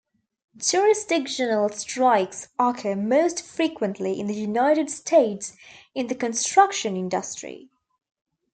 Jurisdictional strikes occur most frequently in the United States in the construction industry.